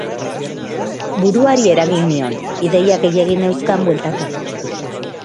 Buruari eragin nion, ideia gehiegi neuzkan bueltaka.